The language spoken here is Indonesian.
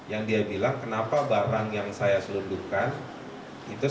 yang dia bilang kenapa barang yang saya selundupkan